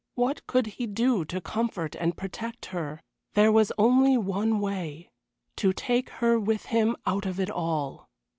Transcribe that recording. What could he do to comfort and protect her? There was only one way to take her with him out of it all.